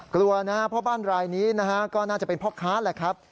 กลัวนะครับพ่อบ้านรายนี้นะฮะก็น่าจะเป็นพ่อค้าแหละครับ